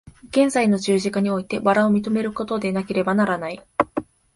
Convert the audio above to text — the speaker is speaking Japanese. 現在の十字架において薔薇を認めることでなければならない。